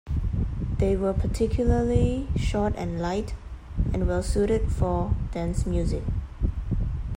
They were particularly short and light, and well-suited for dance music.